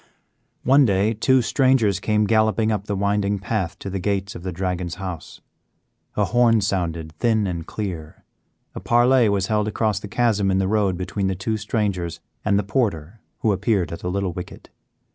One day two strangers came galloping up the winding path to the gates of the Dragon's house. A horn sounded thin and clear, a parley was held across the chasm in the road between the two strangers and the porter who appeared at the little wicket.